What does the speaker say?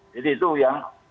jadi itu yang